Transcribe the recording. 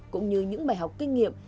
cũng như những bài học kinh nghiệm